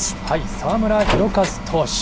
澤村拓一投手。